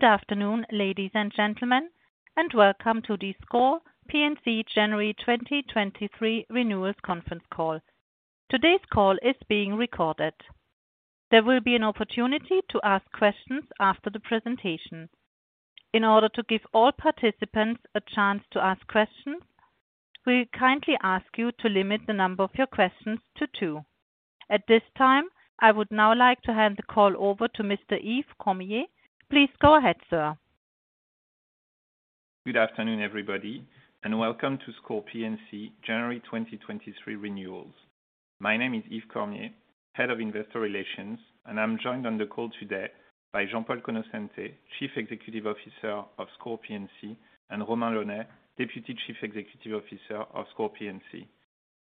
Good afternoon, ladies and gentlemen, and welcome to the SCOR P&C January 2023 Renewals Conference Call. Today's call is being recorded. There will be an opportunity to ask questions after the presentation. In order to give all participants a chance to ask questions, we kindly ask you to limit the number of your questions to two. At this time, I would now like to hand the call over to Mr. Yves Cormier. Please go ahead, sir. Good afternoon, everybody, and welcome to SCOR P&C January 2023 renewals. My name is Yves Cormier, Head of Investor Relations, and I'm joined on the call today by Jean-Paul Conoscente, Chief Executive Officer of SCOR P&C, and Romain Launay, Deputy Chief Executive Officer of SCOR P&C.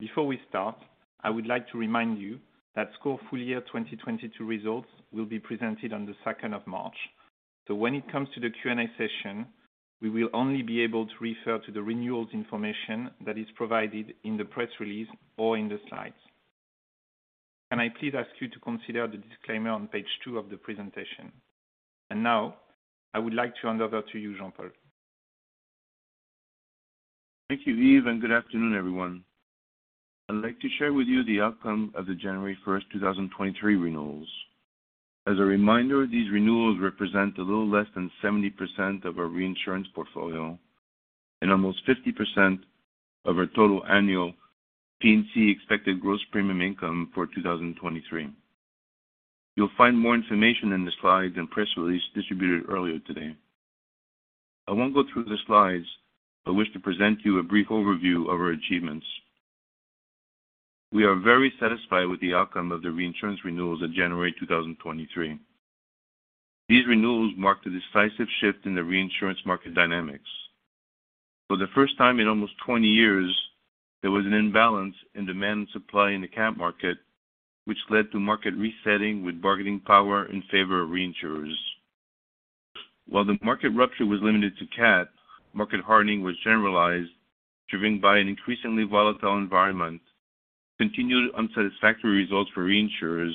Before we start, I would like to remind you that SCOR full year 2022 results will be presented on the 2nd of March. When it comes to the Q&A session, we will only be able to refer to the renewals information that is provided in the press release or in the slides. Can I please ask you to consider the disclaimer on page two of the presentation. Now I would like to hand over to you, Jean-Paul. Thank you, Yves. Good afternoon, everyone. I'd like to share with you the outcome of the January 1st, 2023 renewals. As a reminder, these renewals represent a little less than 70% of our reinsurance portfolio and almost 50% of our total annual P&C expected gross premium income for 2023. You'll find more information in the slides and press release distributed earlier today. I won't go through the slides. I wish to present you a brief overview of our achievements. We are very satisfied with the outcome of the reinsurance renewals at January 2023. These renewals marked a decisive shift in the reinsurance market dynamics. For the first time in almost 20 years, there was an imbalance in demand and supply in the Cat market, which led to market resetting with bargaining power in favor of reinsurers. While the market rupture was limited to CAT, market hardening was generalized, driven by an increasingly volatile environment, continued unsatisfactory results for reinsurers,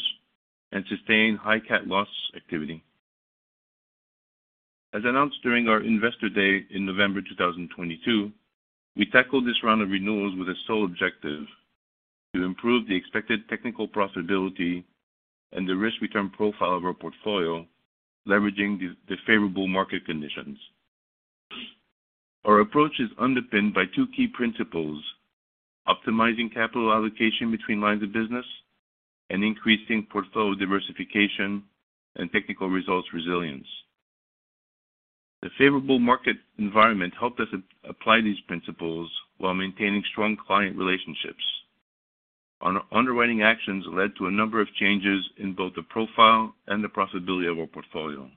and sustained high CAT loss activity. As announced during our Investor Day in November 2022, we tackled this round of renewals with a sole objective, to improve the expected technical profitability and the risk-return profile of our portfolio, leveraging the favorable market conditions. Our approach is underpinned by two key principles, optimizing capital allocation between lines of business and increasing portfolio diversification and technical results resilience. Underwriting actions led to a number of changes in both the profile and the profitability of our portfolio.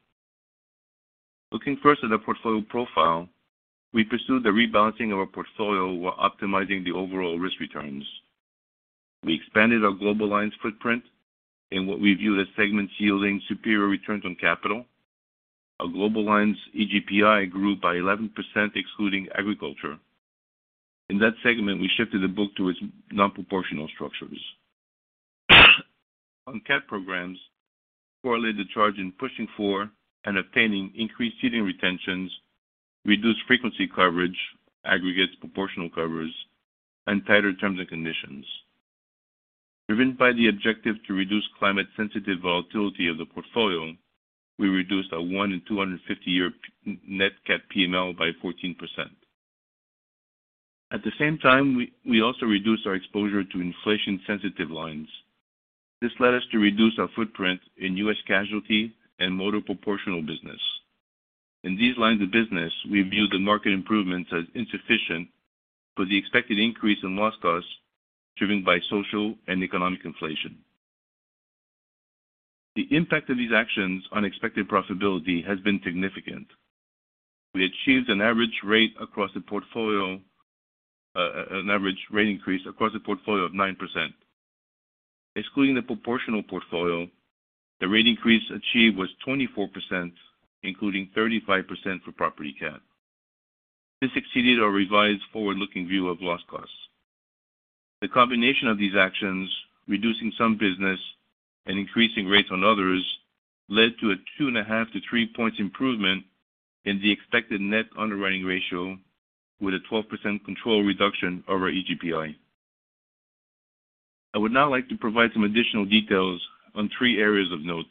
Looking first at our portfolio profile, we pursued the rebalancing of our portfolio while optimizing the overall risk returns. We expanded our Global Lines footprint in what we view as segments yielding superior returns on capital. Our Global Lines EGPI grew by 11%, excluding agriculture. In that segment, we shifted the book to its non-proportional structures. On CAT programs, correlate the charge in pushing for and obtaining increased ceding retentions, reduced frequency coverage, aggregates proportional covers, and tighter terms and conditions. Driven by the objective to reduce climate sensitive volatility of the portfolio, we reduced our one in 250 year Nat CAT PML by 14%. At the same time, we also reduced our exposure to inflation sensitive lines. This led us to reduce our footprint in U.S. casualty and motor proportional business. In these lines of business, we view the market improvements as insufficient for the expected increase in loss costs driven by social and economic inflation. The impact of these actions on expected profitability has been significant. We achieved an average rate across the portfolio, an average rate increase across the portfolio of 9%. Excluding the proportional portfolio, the rate increase achieved was 24%, including 35% for property Cat. This exceeded our revised forward-looking view of loss costs. The combination of these actions, reducing some business and increasing rates on others, led to a 2.5-3 points improvement in the expected net underwriting ratio with a 12% control reduction over EGPI. I would now like to provide some additional details on three areas of note,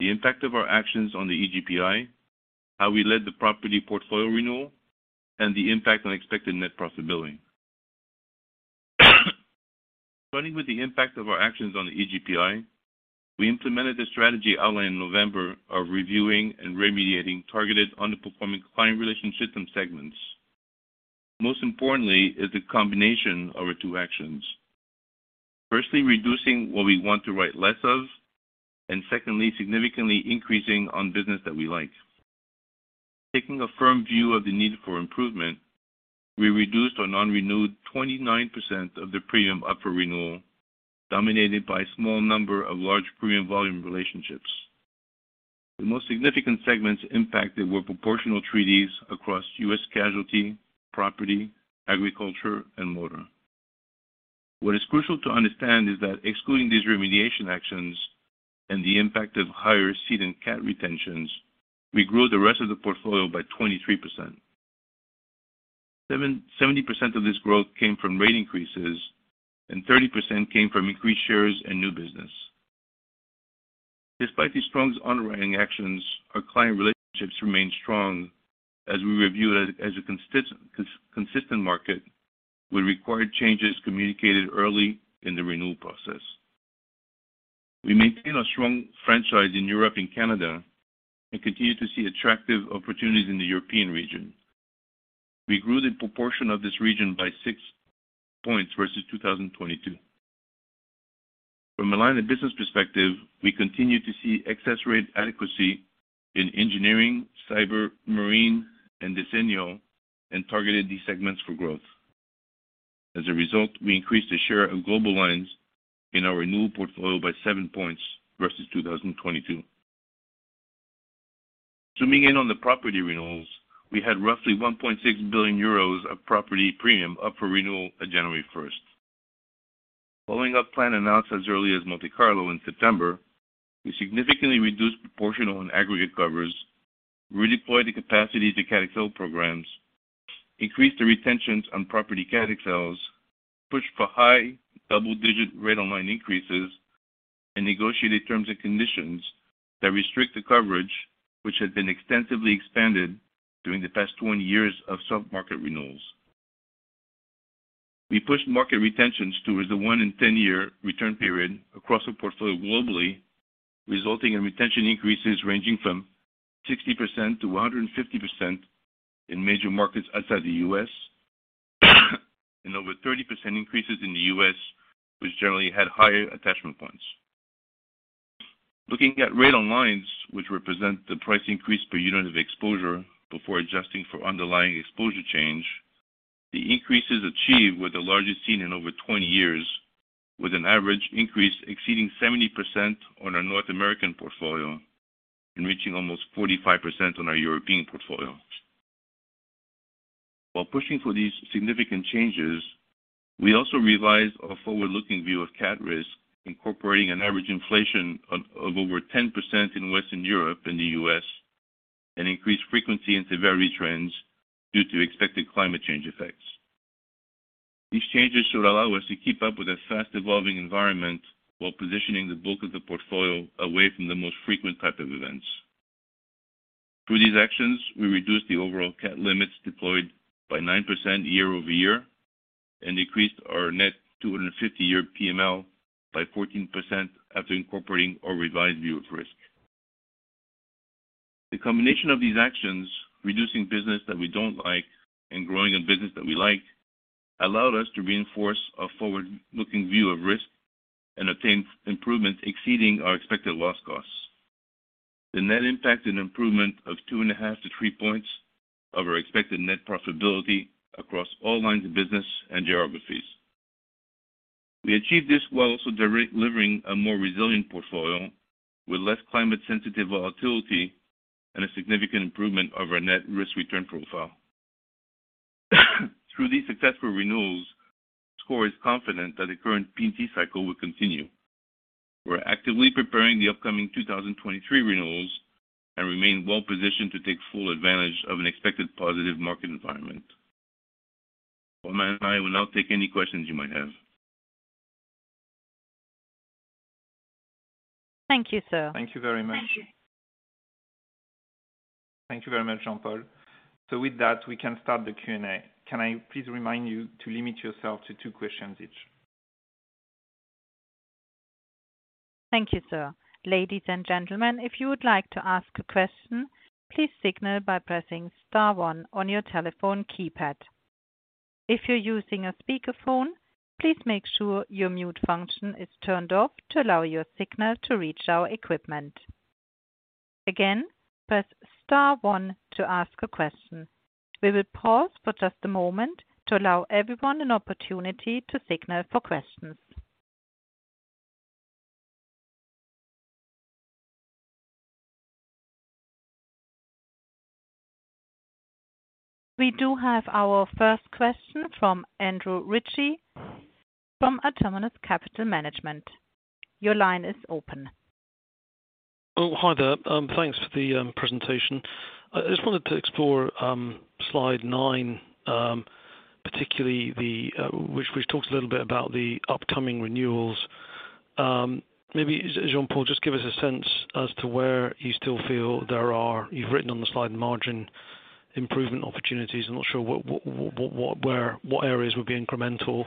the impact of our actions on the EGPI, how we led the property portfolio renewal, and the impact on expected net profitability. Starting with the impact of our actions on the EGPI, we implemented the strategy outlined in November of reviewing and remediating targeted underperforming client relationship segments. Most importantly is the combination of our two actions. Firstly, reducing what we want to write less of, and secondly, significantly increasing on business that we like. Taking a firm view of the need for improvement, we reduced or non-renewed 29% of the premium up for renewal, dominated by a small number of large premium volume relationships. The most significant segments impacted were proportional treaties across U.S. casualty, property, agriculture, and motor. What is crucial to understand is that excluding these remediation actions and the impact of higher ceding and CAT retentions, we grew the rest of the portfolio by 23%. 70% of this growth came from rate increases and 30% came from increased shares and new business. Despite these strong underwriting actions, our client relationships remain strong as we review as a consistent market with required changes communicated early in the renewal process. We maintain a strong franchise in Europe and Canada and continue to see attractive opportunities in the European region. We grew the proportion of this region by six points versus 2022. From a line of business perspective, we continue to see excess rate adequacy in engineering, cyber, marine and decennial and targeted these segments for growth. As a result, we increased the share of Global Lines in our renewal portfolio by seven points versus 2022. Zooming in on the property renewals, we had roughly 1.6 billion euros of property premium up for renewal at January first. Following up plan announced as early as Monte Carlo in September, we significantly reduced proportional and aggregate covers, redeployed the capacity to CAT XL programs, increased the retentions on property CAT XLs, pushed for high double-digit Rate on Line increases, and negotiated terms and conditions that restrict the coverage which had been extensively expanded during the past 20 years of soft market renewals. We pushed market retentions towards the one in ten year return period across the portfolio globally, resulting in retention increases ranging from 60%-150% in major markets outside the U.S., and over 30% increases in the U.S., which generally had higher attachment points. Looking at Rate on Line which represent the price increase per unit of exposure before adjusting for underlying exposure change, the increases achieved were the largest seen in over 20 years, with an average increase exceeding 70% on our North American portfolio and reaching almost 45% on our European portfolio. While pushing for these significant changes, we also revised our forward-looking view of CAT risk, incorporating an average inflation of over 10% in Western Europe and the U.S., and increased frequency and severity trends due to expected climate change effects. These changes should allow us to keep up with a fast evolving environment while positioning the bulk of the portfolio away from the most frequent type of events. Through these actions, we reduced the overall CAT limits deployed by 9% year-over-year and decreased our net 250-year PML by 14% after incorporating our revised view of risk. The combination of these actions, reducing business that we don't like and growing a business that we like, allowed us to reinforce a forward-looking view of risk and obtain improvement exceeding our expected loss costs. The net impact and improvement of 2.5-3 points of our expected net profitability across all lines of business and geographies. We achieved this while also delivering a more resilient portfolio with less climate sensitive volatility and a significant improvement of our net risk return profile. Through these successful renewals, SCOR is confident that the current P&C cycle will continue. We're actively preparing the upcoming 2023 renewals and remain well positioned to take full advantage of an expected positive market environment. Omar and I will now take any questions you might have. Thank you, sir. Thank you very much. Thank you. Thank you very much, Jean-Paul. With that, we can start the Q&A. Can I please remind you to limit yourself to two questions each. Thank you, sir. Ladies and gentlemen, if you would like to ask a question, please signal by pressing star one on your telephone keypad. If you're using a speakerphone, please make sure your mute function is turned off to allow your signal to reach our equipment. Again, press star one to ask a question. We will pause for just a moment to allow everyone an opportunity to signal for questions. We do have our first question from Andrew Ritchie from Autonomous Capital Management. Your line is open. Oh, hi there. Thanks for the presentation. I just wanted to explore slide 9, particularly the which talks a little bit about the upcoming renewals. Maybe Jean-Paul, just give us a sense as to where you still feel there are... You've written on the slide margin improvement opportunities. I'm not sure what areas would be incremental.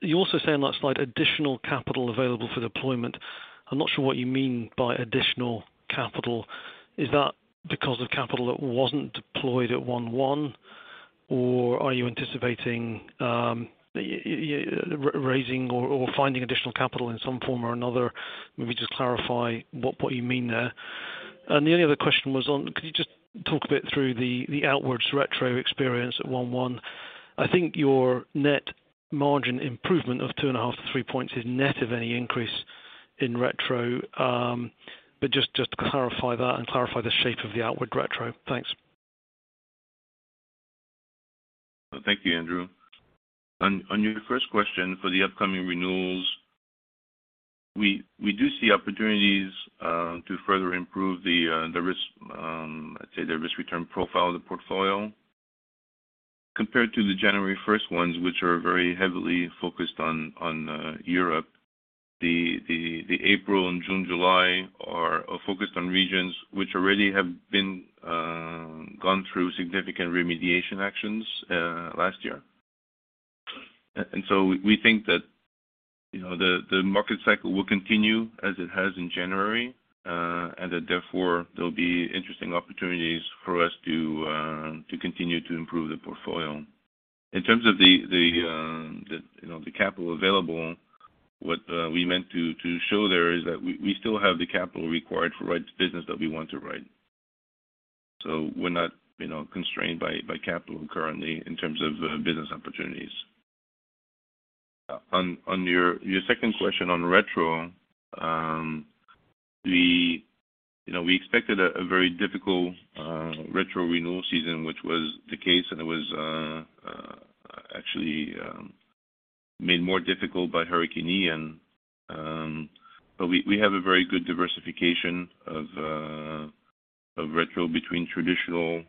You also say on that slide, additional capital available for deployment. I'm not sure what you mean by additional capital. Is that because of capital that wasn't deployed at 1/1 or are you anticipating raising or finding additional capital in some form or another? Maybe just clarify what you mean there. The only other question was on could you just talk a bit through the outwards retro experience at 1/1? I think your net margin improvement of 2.5-3 points is net of any increase in retro. Just clarify that and clarify the shape of the outward retro. Thanks. Thank you, Andrew. On your first question for the upcoming renewals, we do see opportunities to further improve the risk, I'd say the risk-return profile of the portfolio. Compared to the January 1st ones, which are very heavily focused on Europe, the April and June/July are focused on regions which already have been gone through significant remediation actions last year. So we think that, you know, the market cycle will continue as it has in January, and that therefore there'll be interesting opportunities for us to continue to improve the portfolio. In terms of the, you know, the capital available, what we meant to show there is that we still have the capital required to write the business that we want to write. We're not, you know, constrained by capital currently in terms of business opportunities. On your second question on retro, we, you know, we expected a very difficult retro renewal season, which was the case, and it was actually made more difficult by Hurricane Ian. We have a very good diversification of retro between traditional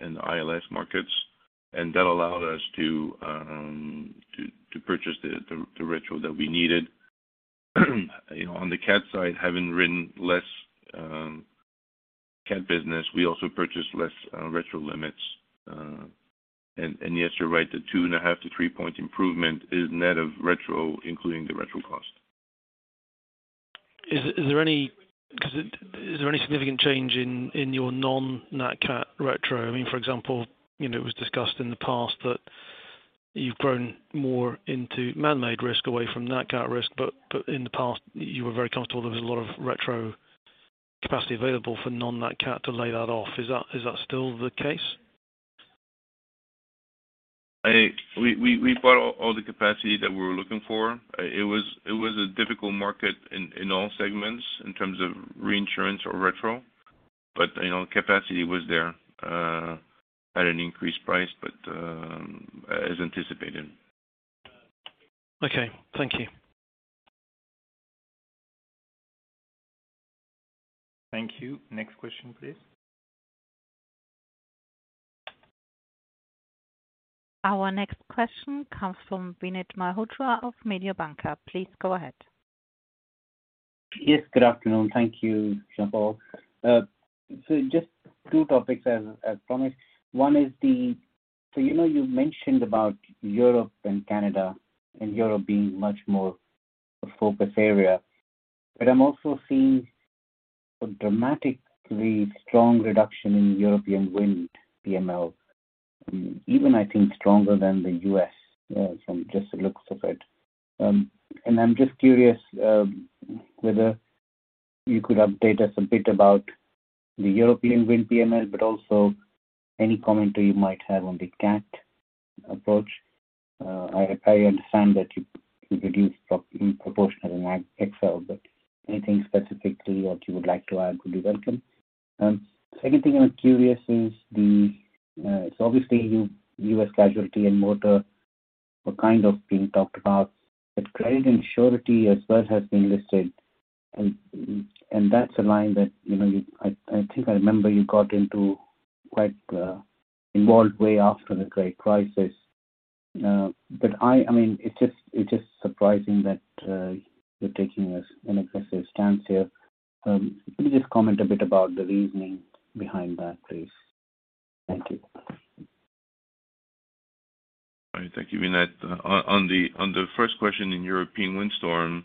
and ILS markets, and that allowed us to purchase the retro that we needed. You know, on the CAT side, having written less CAT business, we also purchased less retro limits. And yes, you're right, the 2.5-3 point improvement is net of retro, including the retro cost. Is there any significant change in your non-Nat CAT retro? I mean, for example, you know, it was discussed in the past that you've grown more into man-made risk away from Nat CAT risk, but in the past, you were very comfortable there was a lot of retro capacity available for non-Nat CAT to lay that off. Is that still the case? We bought all the capacity that we were looking for. It was a difficult market in all segments in terms of reinsurance or retro, but, you know, capacity was there at an increased price, but as anticipated. Okay. Thank you. Thank you. Next question, please. Our next question comes from Vinit Malhotra of Mediobanca. Please go ahead. Yes. Good afternoon. Thank you, Jean-Paul. Just two topics as promised. You know, you've mentioned about Europe and Canada, and Europe being much more a focus area, but I'm also seeing a dramatically strong reduction in European wind PML, even I think stronger than the U.S., from just the looks of it. I'm just curious whether you could update us a bit about the European wind PML, but also any commentary you might have on the CAT approach. I understand that you reduced pro-in proportion in CAT XL, but anything specifically what you would like to add would be welcome. Second thing I'm curious is the obviously U.S. casualty and motor were kind of being talked about, but credit and surety as well has been listed. That's a line that, you know, I think I remember you got into quite involved way after the great crisis. I mean, it's just, it's just surprising that you're taking this aggressive stance here. Can you just comment a bit about the reasoning behind that, please? Thank you. All right. Thank you, Vinit. On the first question in European windstorm,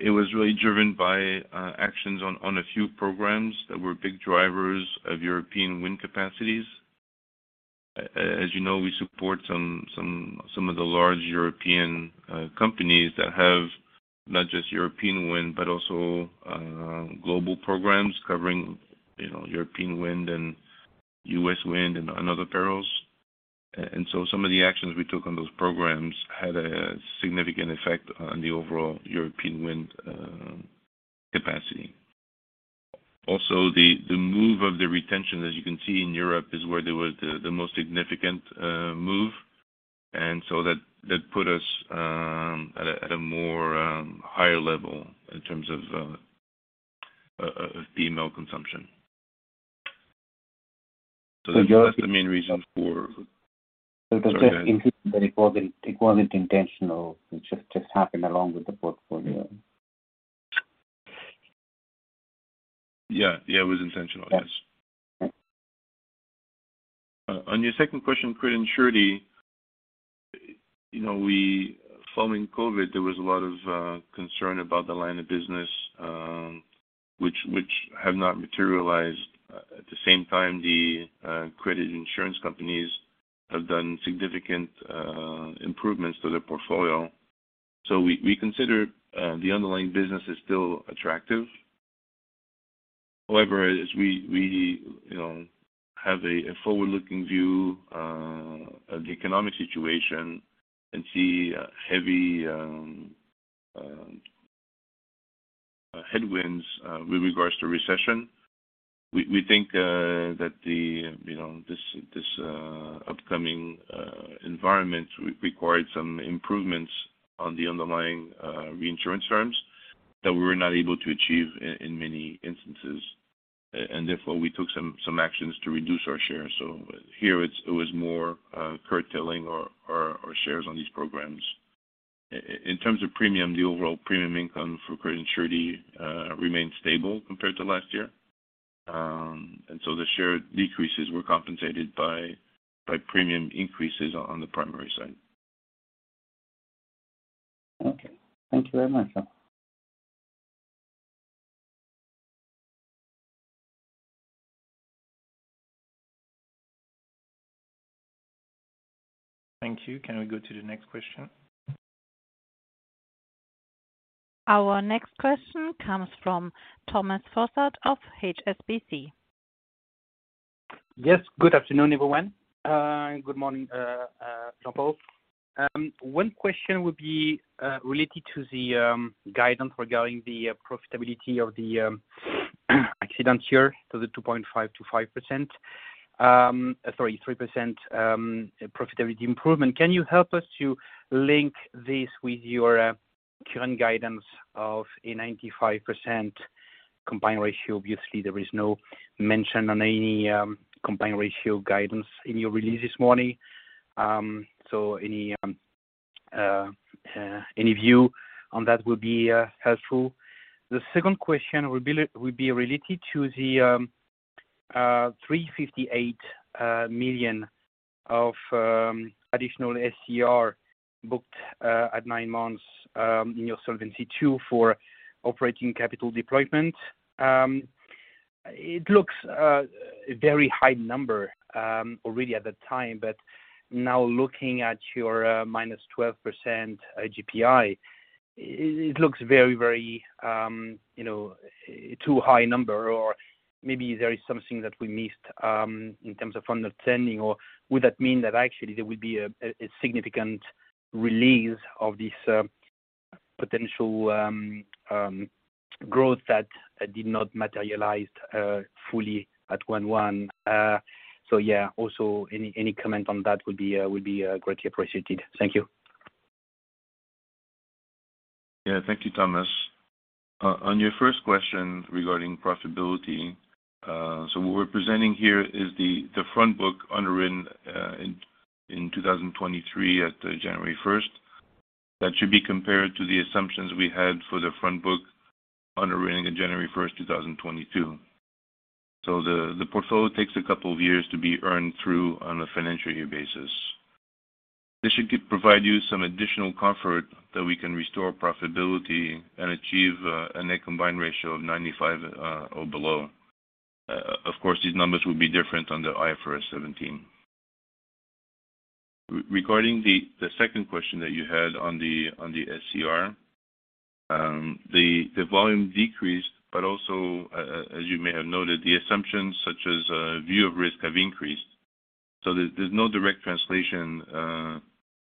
it was really driven by actions on a few programs that were big drivers of European wind capacities. As you know, we support some of the large European companies that have not just European wind, but also global programs covering, you know, European wind and U.S. wind and other perils. Some of the actions we took on those programs had a significant effect on the overall European wind capacity. Also, the move of the retention, as you can see in Europe, is where there was the most significant move. That, that put us at a more higher level in terms of PML consumption. So just- That's the main reason for. So just- Sorry, go ahead. It wasn't intentional. It just happened along with the portfolio. Yeah. Yeah, it was intentional. Yes. Okay. On your second question, credit and surety, you know, we Following COVID, there was a lot of concern about the line of business which have not materialized. At the same time, the credit insurance companies have done significant improvements to their portfolio. We consider the underlying business is still attractive. As we, you know, have a forward-looking view of the economic situation and see a heavy headwinds with regards to recession. We think that the, you know, this upcoming environment required some improvements on the underlying reinsurance firms that we were not able to achieve in many instances. Therefore, we took some actions to reduce our shares. Here it was more curtailing our shares on these programs. In terms of premium, the overall premium income for credit and surety remained stable compared to last year. The share decreases were compensated by premium increases on the primary side. Okay. Thank you very much, sir. Thank you. Can we go to the next question? Our next question comes from Thomas Fossard of HSBC. Yes. Good afternoon, everyone. Good morning, Jean-Paul. One question would be related to the guidance regarding the profitability of the accident here, so the 2.5%-5%, sorry, 3%, profitability improvement. Can you help us to link this with your current guidance of a 95% combined ratio? Obviously, there is no mention on any combined ratio guidance in your release this morning. Any view on that would be helpful. The second question would be related to the 358 million of additional SCR booked at nine months in your Solvency II for operating capital deployment. It looks a very high number already at that time. Now looking at your minus 12% AGPI, it looks very, you know, too high number or maybe there is something that we missed in terms of understanding or would that mean that actually there would be a significant release of this potential growth that did not materialize fully at 1/1. Yeah, also any comment on that would be greatly appreciated. Thank you. Yeah. Thank you, Thomas. On your first question regarding profitability, what we're presenting here is the front book underwritten in 2023 at January 1st. That should be compared to the assumptions we had for the front book underwriting on January 1st, 2022. The portfolio takes a couple of years to be earned through on a financial year basis. This should provide you some additional comfort that we can restore profitability and achieve a net combined ratio of 95 or below. Of course, these numbers would be different on the IFRS 17. Regarding the second question that you had on the SCR, the volume decreased, as you may have noted, the assumptions such as view of risk have increased. There's no direct translation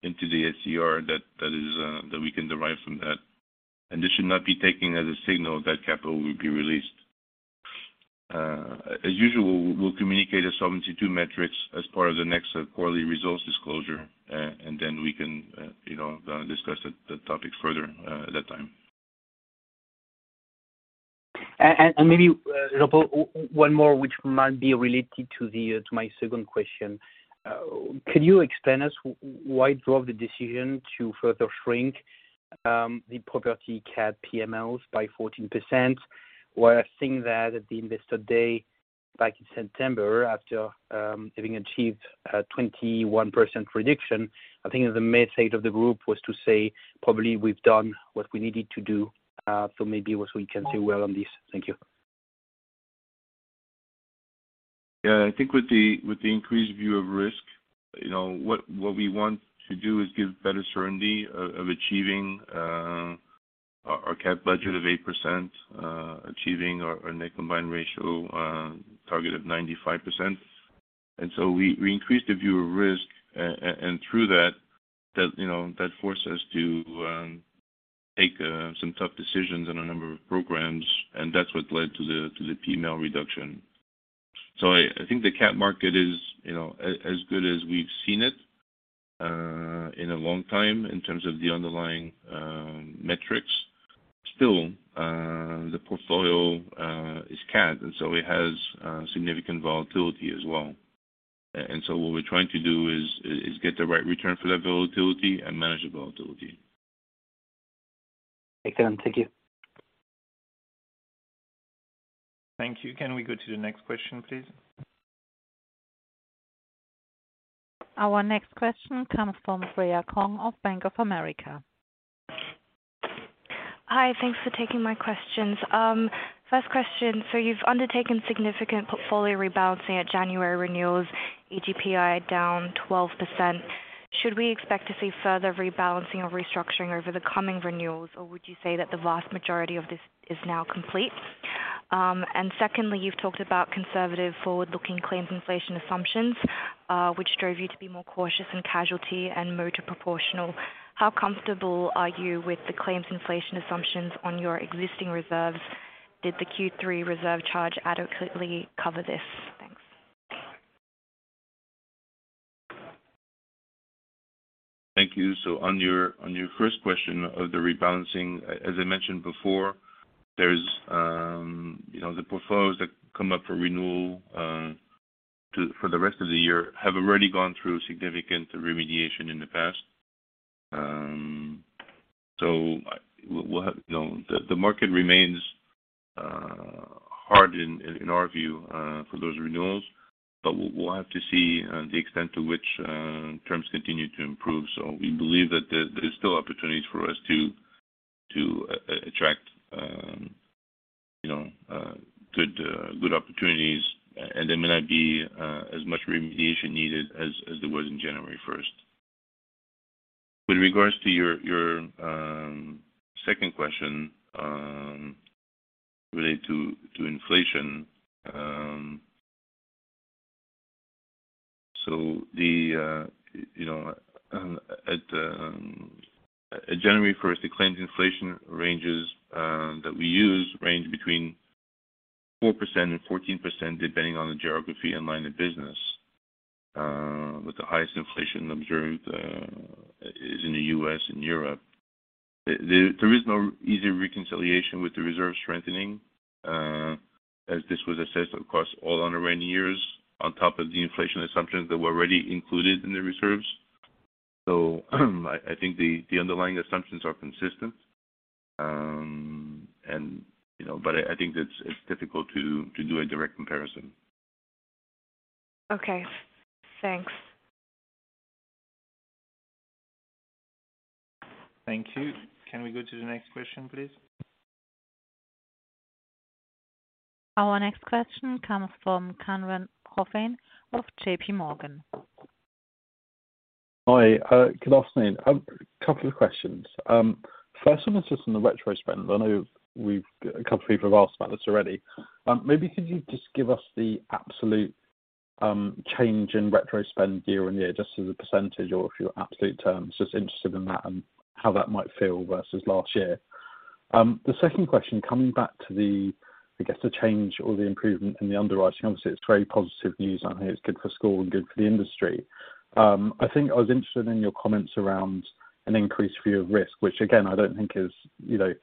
into the SCR that is, that we can derive from that. This should not be taken as a signal that capital will be released. As usual, we'll communicate the Solvency II metrics as part of the next quarterly results disclosure, then we can, you know, discuss the topic further at that time. Maybe Paul, one more, which might be related to my second question. Could you explain us why you drove the decision to further shrink the property CAT PMLs by 14%? I think that at the investor day back in September after having achieved a 21% prediction, I think the message of the group was to say probably we've done what we needed to do, maybe what we can say well on this. Thank you. Yeah. I think with the increased view of risk, you know, what we want to do is give better certainty of achieving our CAT budget of 8%, achieving our net combined ratio target of 95%. Through that, you know, that forced us to take some tough decisions on a number of programs, and that's what led to the PML reduction. I think the CAT market is, you know, as good as we've seen it in a long time in terms of the underlying metrics. Still, the portfolio is CAT, so it has significant volatility as well. What we're trying to do is get the right return for that volatility and manage the volatility. Excellent. Thank you. Thank you. Can we go to the next question, please? Our next question comes from Freya Kong of Bank of America. Hi. Thanks for taking my questions. First question. You've undertaken significant portfolio rebalancing at January renewals, AGPI down 12%. Should we expect to see further rebalancing or restructuring over the coming renewals, or would you say that the vast majority of this is now complete? Secondly, you've talked about conservative forward-looking claims inflation assumptions, which drove you to be more cautious in casualty and motor proportional. How comfortable are you with the claims inflation assumptions on your existing reserves? Did the Q3 reserve charge adequately cover this? Thanks. Thank you. On your first question of the rebalancing, as I mentioned before, there's, you know, the portfolios that come up for renewal for the rest of the year have already gone through significant remediation in the past. We'll have. You know, the market remains hard in our view for those renewals, but we'll have to see the extent to which terms continue to improve. We believe that there's still opportunities for us to attract, you know, good opportunities, and there may not be as much remediation needed as there was in January 1st. With regards to your second question, related to inflation, the, you know, at January 1st, the claims inflation ranges that we use range between 4% and 14% depending on the geography and line of business, with the highest inflation observed, is in the U.S. and Europe. There is no easy reconciliation with the reserve strengthening, as this was assessed across all underwriting years on top of the inflation assumptions that were already included in the reserves. I think the underlying assumptions are consistent. You know, I think it's difficult to do a direct comparison. Okay. Thanks. Thank you. Can we go to the next question, please? Our next question comes from Kamran Hossain of J.P. Morgan. Hi. Good afternoon. A couple of questions. First one is just on the retro spend. I know a couple of people have asked about this already. Maybe could you just give us the absolute change in retro spend year-on-year, just as a percentage or a few absolute terms? Just interested in that and how that might feel versus last year. The second question, coming back to the, I guess, the change or the improvement in the underwriting. Obviously, it's very positive news. I think it's good for SCOR and good for the industry. I think I was interested in your comments around an increased view of risk, which again, I don't think is, you know,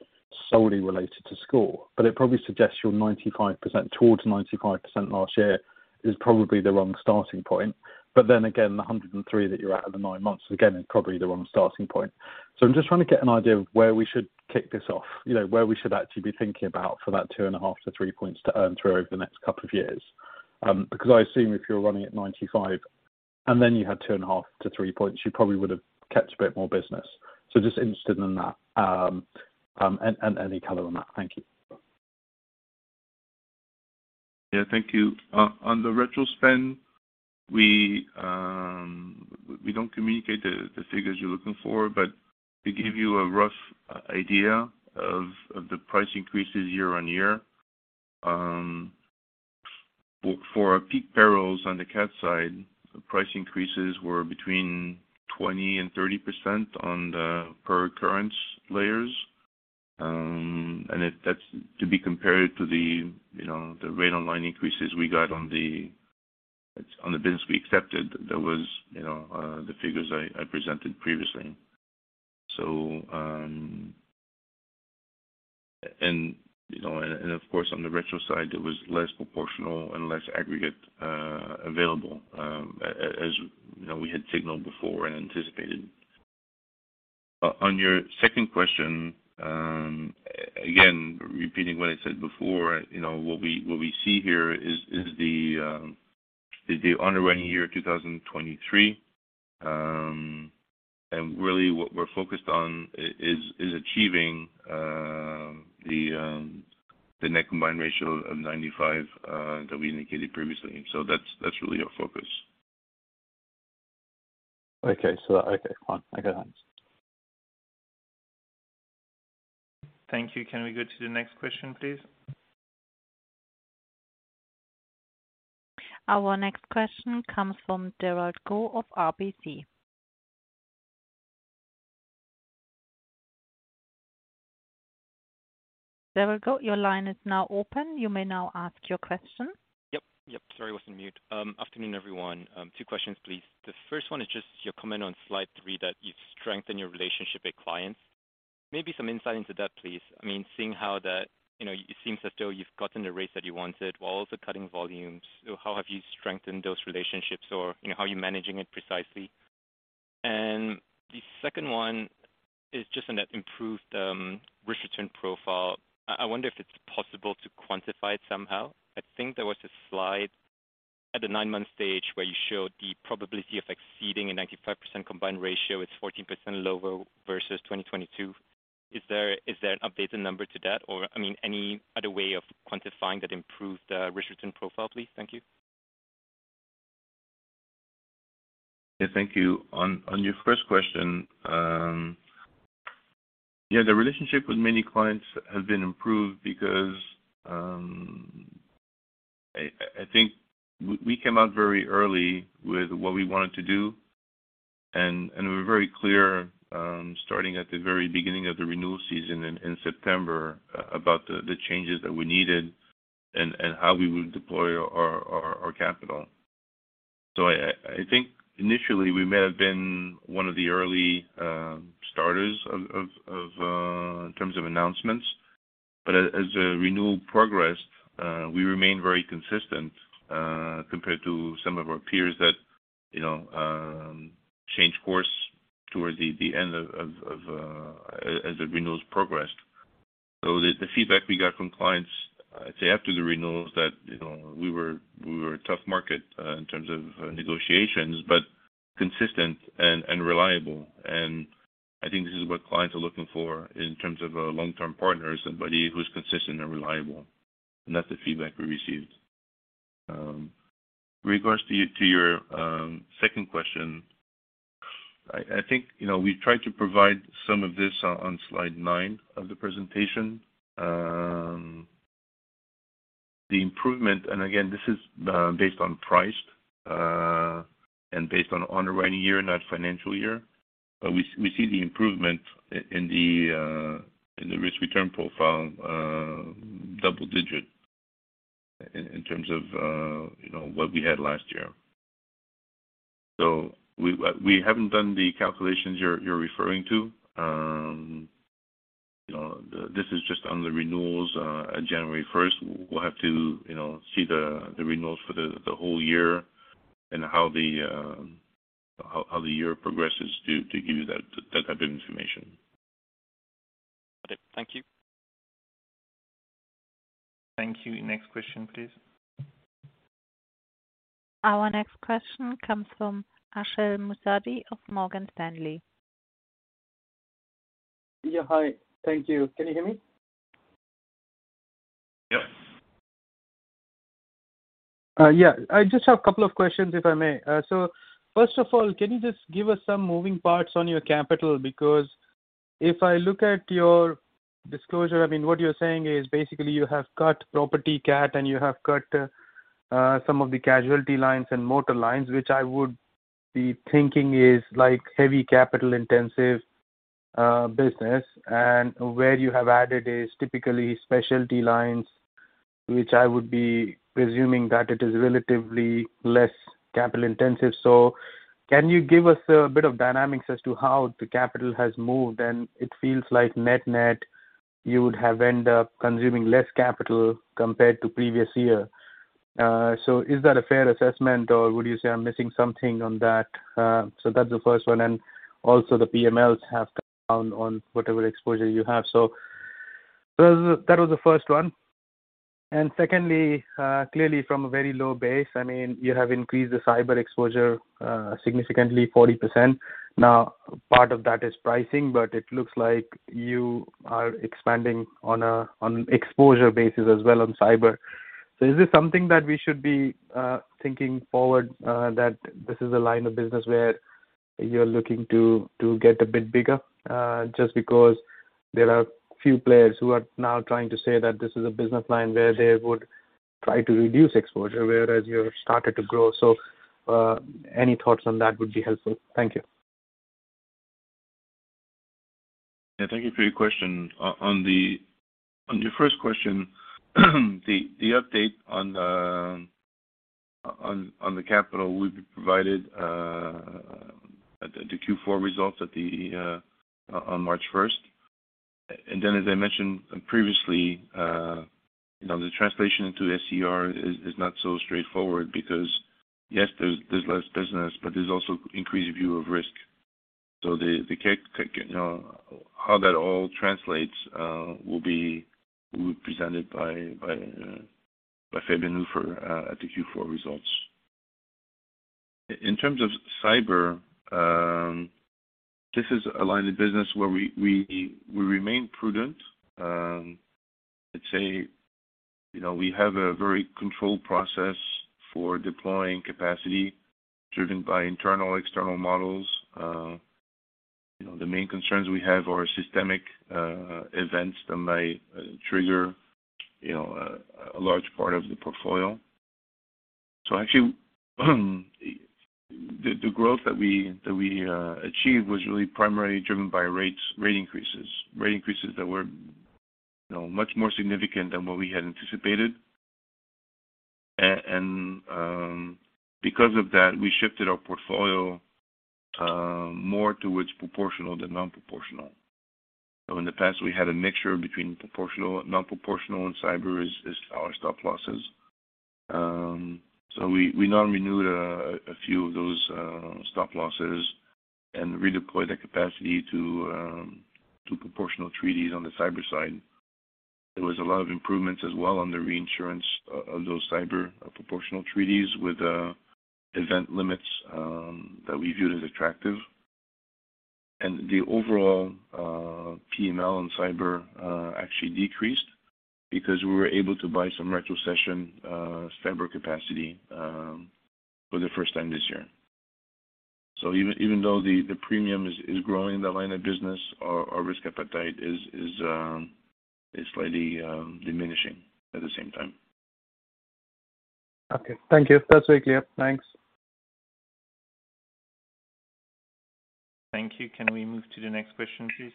solely related to SCOR, but it probably suggests your 95%, towards 95% last year is probably the wrong starting point. Again, the 103% that you're at in the nine months, again, is probably the wrong starting point. I'm just trying to get an idea of where we should kick this off, you know, where we should actually be thinking about for that 2.5-3 points to earn through over the next couple of years. Because I assume if you're running at 95% and then you had 2.5-3 points, you probably would have kept a bit more business. Just interested in that and any color on that. Thank you. Yeah. Thank you. On the retro spend, we don't communicate the figures you're looking for, but to give you a rough idea of the price increases year-on-year, for our peak perils on the CAT side, the price increases were between 20% and 30% on the per occurrence layers. That's to be compared to the, you know, the Rate on Line increases we got on the business we accepted. That was, you know, the figures I presented previously. You know, and of course, on the retro side, there was less proportional and less aggregate available, as, you know, we had signaled before and anticipated. On your second question, again, repeating what I said before, you know, what we see here is the underwriting year 2023. Really what we're focused on is achieving the net combined ratio of 95 that we indicated previously. That's really our focus. Okay. Okay. Fine. I got it. Thank you. Can we go to the next question, please? Our next question comes from Benjamin Cohen of RBC. Benjamin Cohen, your line is now open. You may now ask your question. Yep. Sorry, I was on mute. Afternoon, everyone. Two questions, please. The first one is just your comment on slide three that you've strengthened your relationship with clients. Maybe some insight into that, please. I mean, seeing how that, you know, it seems as though you've gotten the rates that you wanted while also cutting volumes. So how have you strengthened those relationships? Or, you know, how are you managing it precisely? The second one is just on that improved risk return profile. I wonder if it's possible to quantify it somehow. I think there was a slide at the nine month stage where you showed the probability of exceeding a 95% combined ratio is 14% lower versus 2022. Is there an updated number to that? I mean, any other way of quantifying that improved risk return profile, please? Thank you. Yeah, thank you. On your first question, yeah, the relationship with many clients has been improved because I think we came out very early with what we wanted to do and we were very clear starting at the very beginning of the renewal season in September about the changes that we needed and how we would deploy our capital. I think initially we may have been one of the early starters of in terms of announcements. As renewal progressed, we remained very consistent compared to some of our peers that, you know, changed course towards the end of as the renewals progressed. The feedback we got from clients, I'd say after the renewals that, you know, we were a tough market in terms of negotiations, but consistent and reliable. I think this is what clients are looking for in terms of a long-term partner, is somebody who's consistent and reliable. That's the feedback we received. With regards to your second question, I think, you know, we tried to provide some of this on slide nine of the presentation. The improvement, and again, this is based on price and based on underwriting year, not financial year. We see the improvement in the risk-return profile, double-digit in terms of, you know, what we had last year. We haven't done the calculations you're referring to. You know, this is just on the renewals at January 1st. We'll have to, you know, see the renewals for the whole year and how the year progresses to give you that type of information. Got it. Thank you. Thank you. Next question, please. Our next question comes from Ashish Musaddi of Morgan Stanley. Yeah, hi. Thank you. Can you hear me? Yep. Yeah. I just have a couple of questions, if I may. First of all, can you just give us some moving parts on your capital? If I look at your disclosure, I mean, what you're saying is basically you have cut property CAT, and you have cut some of the casualty lines and motor lines, which I would be thinking is like heavy capital intensive business. Where you have added is typically Specialty Lines, which I would be presuming that it is relatively less capital intensive. Can you give us a bit of dynamics as to how the capital has moved? It feels like net-net, you would have end up consuming less capital compared to previous year. Is that a fair assessment or would you say I'm missing something on that? That's the first one. Also the PMLs have come down on whatever exposure you have. That was the first one. Secondly, clearly from a very low base, I mean, you have increased the cyber exposure, significantly 40%. Now, part of that is pricing, but it looks like you are expanding on a, on exposure basis as well on cyber. Is this something that we should be thinking forward, that this is a line of business where you're looking to get a bit bigger? Just because there are few players who are now trying to say that this is a business line where they would try to reduce exposure, whereas you have started to grow. Any thoughts on that would be helpful. Thank you. Yeah, thank you for your question. On your first question, the update on the capital will be provided at the Q4 results at the on March 1st. As I mentioned previously, you know, the translation into SCR is not so straightforward because, yes, there's less business, but there's also increased view of risk. The you know, how that all translates will be presented by Fabian Uffer at the Q4 results. In terms of cyber, this is a line of business where we remain prudent. I'd say, you know, we have a very controlled process for deploying capacity driven by internal, external models. You know, the main concerns we have are systemic events that may trigger, you know, a large part of the portfolio. Actually, the growth that we achieved was really primarily driven by rates, rate increases. Rate increases that were, you know, much more significant than what we had anticipated. Because of that, we shifted our portfolio more towards proportional than non-proportional. In the past, we had a mixture between proportional, non-proportional and cyber is our stop losses. We non-renewed a few of those stop losses and redeployed that capacity to proportional treaties on the cyber side. There was a lot of improvements as well on the reinsurance of those cyber proportional treaties with event limits that we viewed as attractive. The overall PML on cyber actually decreased because we were able to buy some retrocession cyber capacity for the first time this year. Even though the premium is growing in that line of business, our risk appetite is slightly diminishing at the same time. Okay. Thank you. That's very clear. Thanks. Thank you. Can we move to the next question, please?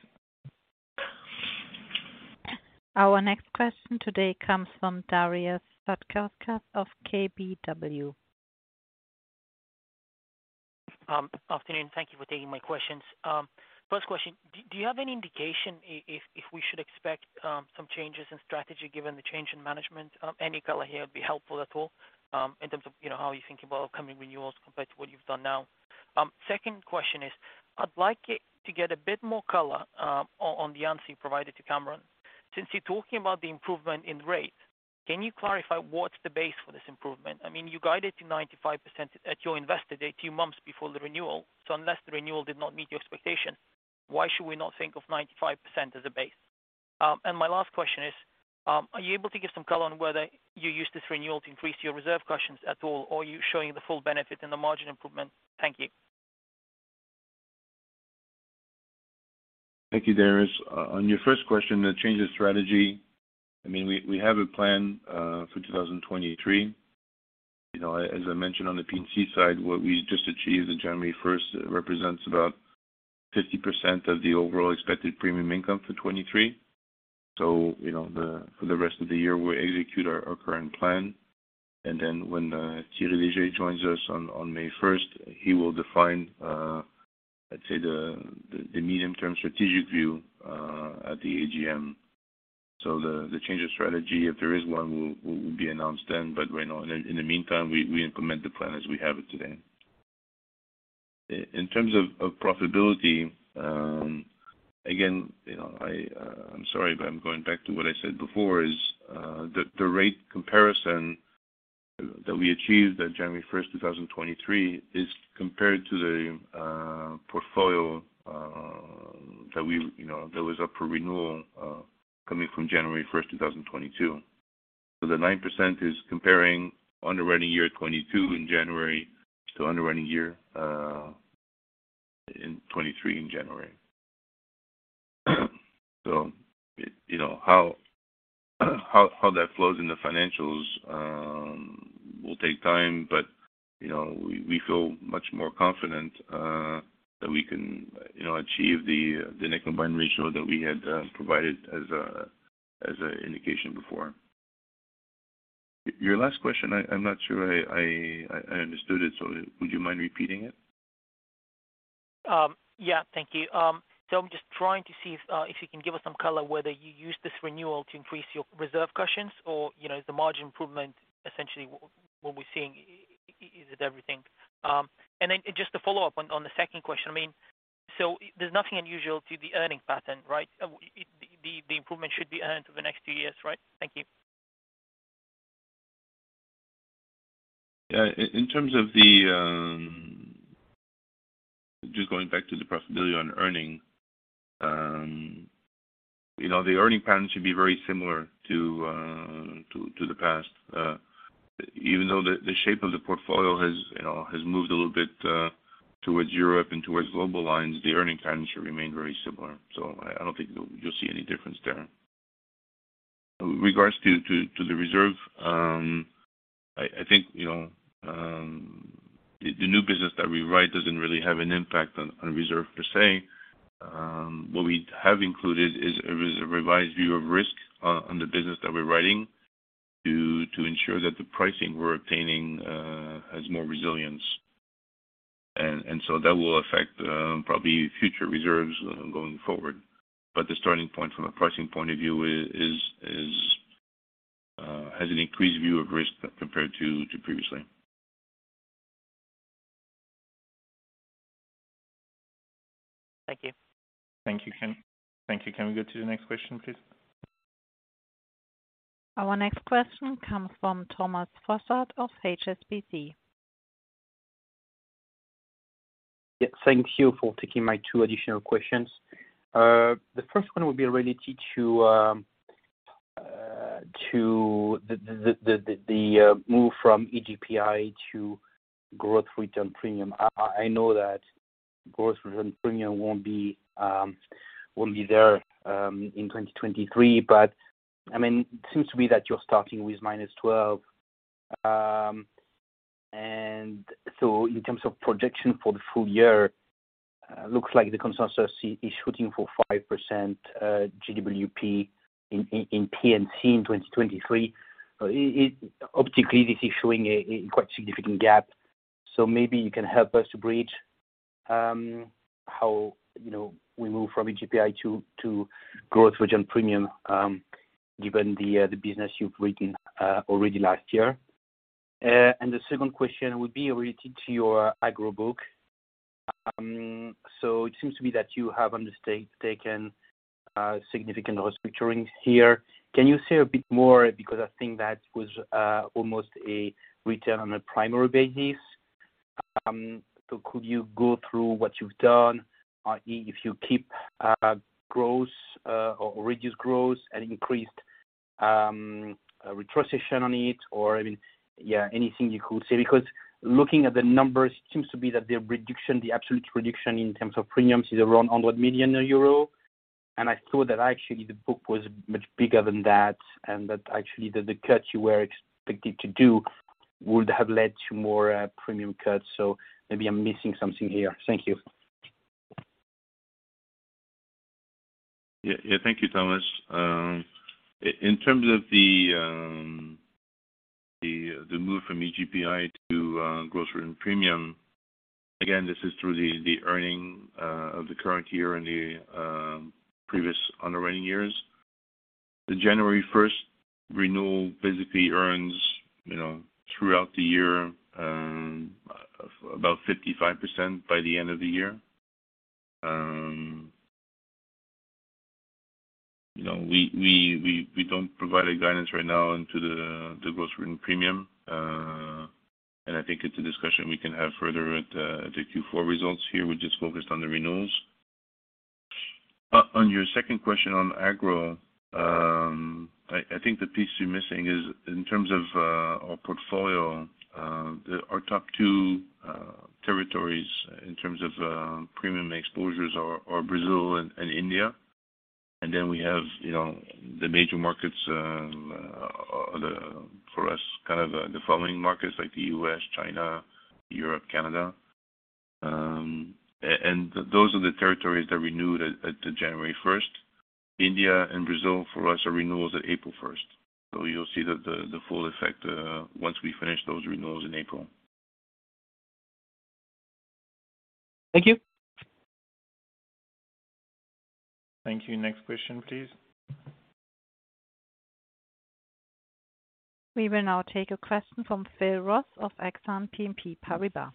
Our next question today comes from Darius Satkauskas of KBW. Afternoon. Thank you for taking my questions. First question, do you have any indication if we should expect some changes in strategy given the change in management? Any color here would be helpful at all, in terms of, you know, how you think about upcoming renewals compared to what you've done now. Second question is, I'd like to get a bit more color on the answer you provided to Kamran. Since you're talking about the improvement in rate, can you clarify what's the base for this improvement? I mean, you guided to 95% at your invest day two months before the renewal, so unless the renewal did not meet your expectation, why should we not think of 95% as a base? My last question is, are you able to give some color on whether you used this renewal to increase your reserve cushions at all or are you showing the full benefit in the margin improvement? Thank you. Thank you, Darius. On your first question, the change of strategy, I mean, we have a plan for 2023. You know, as I mentioned on the P&C side, what we just achieved on January first represents about 50% of the overall expected premium income for 2023. You know, for the rest of the year, we'll execute our current plan. When Thierry Léger joins us on May first, he will define, let's say, the medium-term strategic view at the AGM. The change of strategy, if there is one, will be announced then. Right now. In the meantime, we implement the plan as we have it today. In terms of profitability, again, you know. I'm sorry, but I'm going back to what I said before, is the rate comparison that we achieved at January 1st, 2023 is compared to the portfolio that we, you know, that was up for renewal coming from January 1st, 2022. The 9% is comparing underwriting year 2022 in January to underwriting year in 2023 in January. You know, how that flows in the financials will take time. You know, we feel much more confident that we can, you know, achieve the net combined ratio that we had provided as a indication before. Your last question I'm not sure I understood it, would you mind repeating it? Yeah. Thank you. I'm just trying to see if you can give us some color whether you used this renewal to increase your reserve cushions or, you know, is the margin improvement essentially what we're seeing, is it everything? Then just to follow up on the second question. I mean, there's nothing unusual to the earning pattern, right? The improvement should be earned over the next two years, right? Thank you. Yeah. In terms of the, just going back to the profitability on earning, you know, the earning pattern should be very similar to the past. Even though the shape of the portfolio has, you know, has moved a little bit towards Europe and towards Global Lines, the earning pattern should remain very similar. I don't think you'll see any difference there. In regards to the reserve, I think, you know, the new business that we write doesn't really have an impact on reserve per se. What we have included is a revised view of risk on the business that we're writing to ensure that the pricing we're obtaining has more resilience. That will affect probably future reserves going forward. The starting point from a pricing point of view has an increased view of risk compared to previously. Thank you. Thank you. Can we go to the next question, please? Our next question comes from Thomas Fossard of HSBC. Yeah. Thank you for taking my two additional questions. The first one will be related to the move from EGPI to growth return premium. I know that growth return premium won't be there in 2023, but I mean, it seems to be that you're starting with -12. So in terms of projection for the full year, looks like the consensus is shooting for 5% GWP in P&C in 2023. Optically, this is showing a quite significant gap. So maybe you can help us to bridge, how, you know, we move from EGPI to growth return premium, given the business you've written already last year. The second question would be related to your agro book. It seems to be that you have taken significant restructuring here. Can you say a bit more? I think that was almost a return on a primary basis. Could you go through what you've done, if you keep growth or reduce growth and increased retrocession on it, or, I mean, yeah, anything you could say because looking at the numbers, it seems to be that the reduction, the absolute reduction in terms of premiums is around one hundred million EUR. I saw that actually the book was much bigger than that and that actually the cut you were expected to do would have led to more premium cuts. Maybe I'm missing something here. Thank you. Yeah, yeah, thank you, Thomas. In terms of the, the move from EGPI to gross written premium, again, this is through the earning of the current year and the previous underwriting years. The January 1st renewal basically earns, you know, throughout the year, about 55% by the end of the year. You know, we don't provide a guidance right now into the gross written premium. I think it's a discussion we can have further at the Q4 results here. We're just focused on the renewals. On your second question on agro, I think the piece you're missing is in terms of our portfolio, our top two territories in terms of premium exposures are Brazil and India. We have, you know, the major markets, for us, the following markets, like the U.S., China, Europe, Canada. Those are the territories that renewed at January 1st. India and Brazil, for us, are renewals at April 1st. You'll see the full effect, once we finish those renewals in April. Thank you. Thank you. Next question, please. We will now take a question from Iain Pearce of Exane BNP Paribas.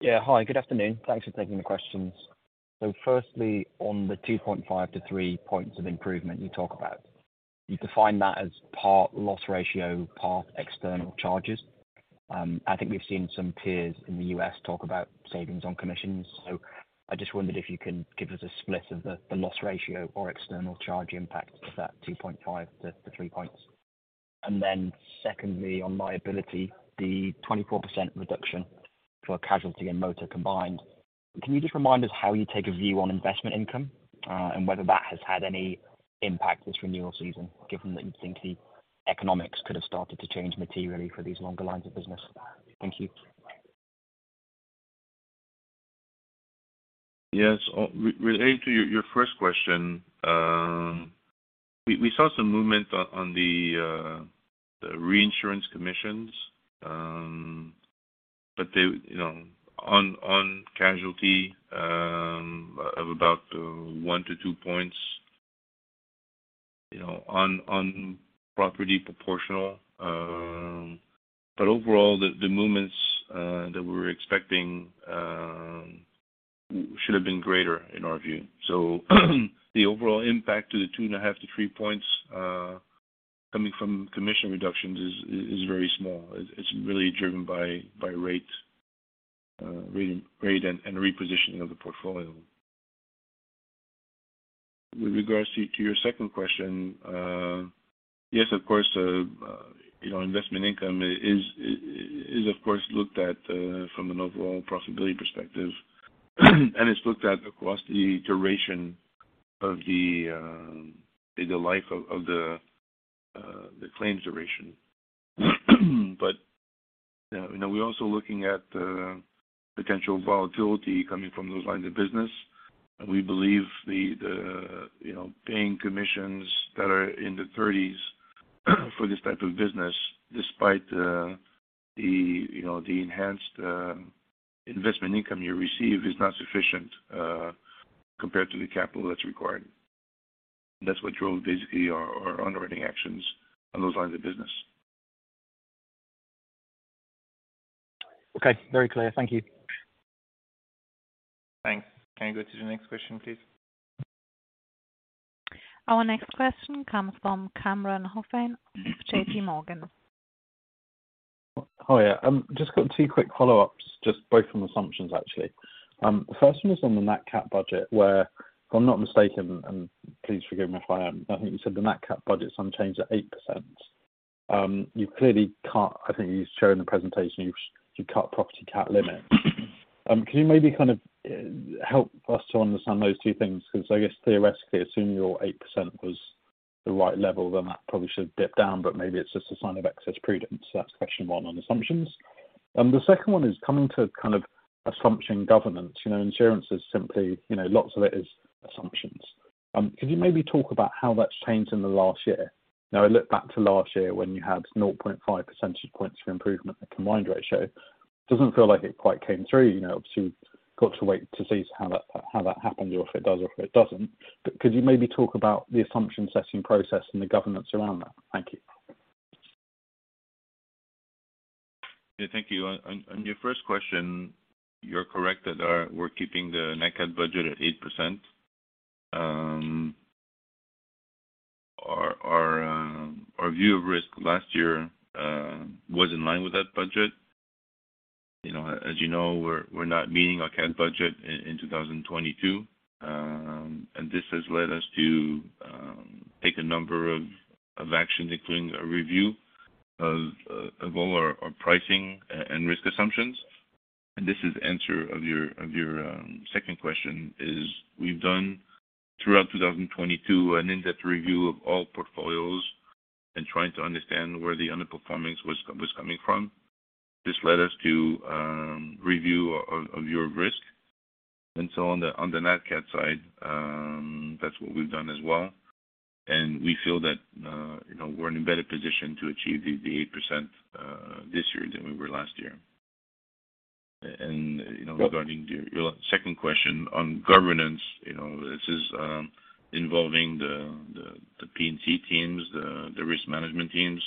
Yeah. Hi, good afternoon. Thanks for taking the questions. Firstly, on the 2.5-3 points of improvement you talk about, you define that as part loss ratio, part external charges. I think we've seen some peers in the U.S. talk about savings on commissions. I just wondered if you can give us a split of the loss ratio or external charge impact of that 2.5-3 points. Secondly, on liability, the 24% reduction for casualty and motor combined, can you just remind us how you take a view on investment income, and whether that has had any impact this renewal season, given that you'd think the economics could have started to change materially for these longer lines of business? Thank you. Yes. Re-relating to your first question, we saw some movement on the reinsurance commissions, but they, you know, on casualty, of about 1-2 points, you know, on property proportional. Overall the movements that we're expecting should have been greater in our view. The overall impact to the two and a 1/2-3 points coming from commission reductions is very small. It's really driven by rate and repositioning of the portfolio. With regards to your second question, yes, of course, you know, investment income is, of course, looked at, from an overall profitability perspective, and it's looked at across the duration of the life of the claims duration. You know, we're also looking at potential volatility coming from those lines of business. We believe the, you know, paying commissions that are in the 30s for this type of business, despite the, you know, the enhanced investment income you receive is not sufficient compared to the capital that's required. That's what drove basically our underwriting actions on those lines of business. Okay. Very clear. Thank you. Thanks. Can I go to the next question, please? Our next question comes from Kamran Hossain, J.P. Morgan. Oh, yeah. just got two quick follow-ups, just both from assumptions actually. first one is on the Nat CAT budget, where if I'm not mistaken, and please forgive me if I am, I think you said the Nat CAT budget's unchanged at 8%. I think you showed in the presentation you cut property cat limits. can you maybe kind of help us to understand those two things? Because I guess theoretically, assuming your 8% was the right level, then that probably should have dipped down, but maybe it's just a sign of excess prudence. That's question one on assumptions. the second one is coming to kind of assumption governance. You know, insurance is simply, you know, lots of it is assumptions. could you maybe talk about how that's changed in the last year? Now I look back to last year when you had 0.5 percentage points of improvement at the combined ratio. It doesn't feel like it quite came through. You know, obviously, we've got to wait to see how that, how that happens or if it does or if it doesn't. Could you maybe talk about the assumption-setting process and the governance around that? Thank you. Yeah, thank you. On your first question, you're correct that we're keeping the Nat CAT budget at 8%. Our view of risk last year was in line with that budget. You know, as you know, we're not meeting our Nat CAT budget in 2022. This has led us to take a number of actions, including a review of all our pricing and risk assumptions. This is answer of your second question is we've done throughout 2022 an in-depth review of all portfolios and trying to understand where the underperformance was coming from. This led us to review our view of risk. On the Nat CAT side, that's what we've done as well. We feel that, you know, we're in a better position to achieve the 8% this year than we were last year. Regarding your second question on governance, you know, this is involving the P&C teams, the risk management teams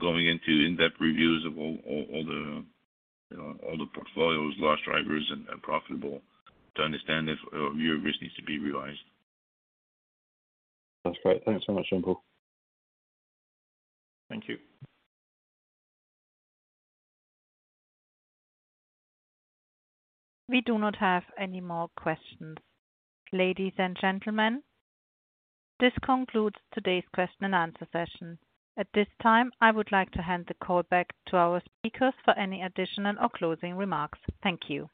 going into in-depth reviews of all the, you know, all the portfolios, loss drivers and profitable to understand if our view of risk needs to be revised. That's great. Thanks so much, Jean-Paul. Thank you. We do not have any more questions. Ladies and gentlemen, this concludes today's question and answer session. At this time, I would like to hand the call back to our speakers for any additional or closing remarks. Thank you.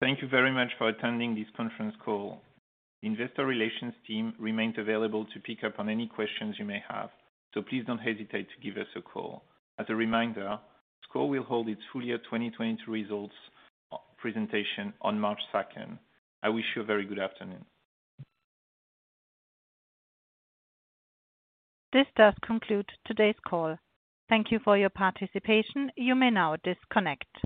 Thank you very much for attending this conference call. Investor relations team remains available to pick up on any questions you may have. Please don't hesitate to give us a call. As a reminder, SCOR will hold its full year 2022 results presentation on March 2nd. I wish you a very good afternoon. This does conclude today's call. Thank you for your participation. You may now disconnect.